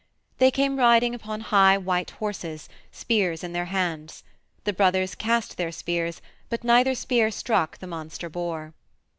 They came riding upon high white horses, spears in their hands. The brothers cast their spears, but neither spear struck the monster boar.